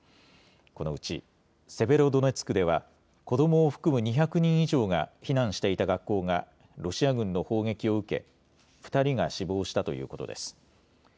このうちセベロドネツクでは子どもを含む２００人以上が避難していた学校がロシア軍の砲撃を受け２人が死亡したということです。